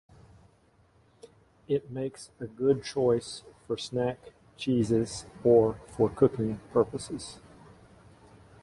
It makes a good choice for snack cheeses or for cooking purposes.